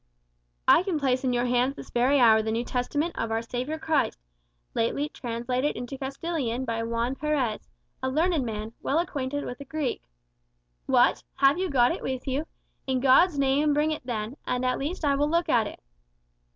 "I can place in your hands this very hour the New Testament of our Saviour Christ, lately translated into Castilian by Juan Perez, a learned man, well acquainted with the Greek." "What! have you got it with you? In God's name bring it then; and at least I will look at it."